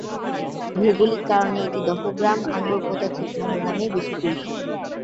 ভৌগোলিক কারণে এটি দহগ্রাম-আঙ্গোরপোতা ছিটমহল নামেই বেশি পরিচিত।